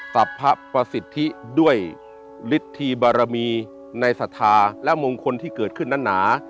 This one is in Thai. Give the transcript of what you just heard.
สรรพประสิทธิด้วยฤทธิบารมีในศรัทธาและมงคลที่เกิดขึ้นนั้นหนา